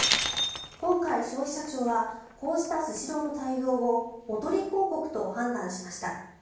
今回、消費者庁はこうしたスシローの対応をおとり広告と判断しました。